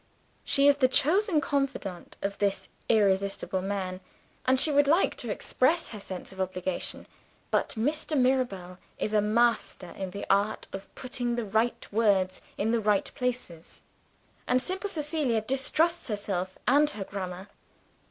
She is the chosen confidante of this irresistible man; and she would like to express her sense of obligation. But Mr. Mirabel is a master in the art of putting the right words in the right places; and simple Cecilia distrusts herself and her grammar.